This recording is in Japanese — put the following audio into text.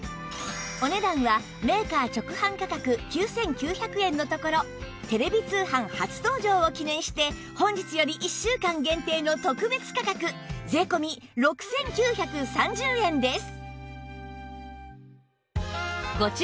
お値段はメーカー直販価格９９００円のところテレビ通販初登場を記念して本日より１週間限定の特別価格税込６９３０円です